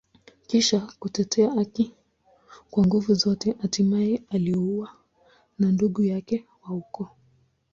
Kisha kutetea haki kwa nguvu zote, hatimaye aliuawa na ndugu yake wa ukoo.